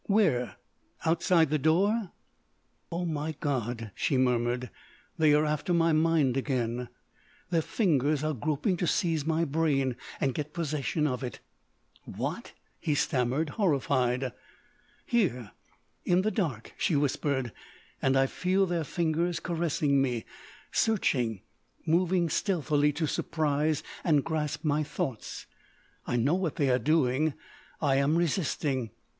"Where? Outside the door?" "Oh, my God," she murmured, "they are after my mind again! Their fingers are groping to seize my brain and get possession of it!" "What!" he stammered, horrified. "Here—in the dark," she whispered—"and I feel their fingers caressing me—searching—moving stealthily to surprise and grasp my thoughts.... I know what they are doing.... I am resisting....